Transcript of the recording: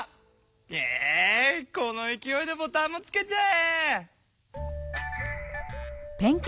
えいこのいきおいでボタンもつけちゃえ！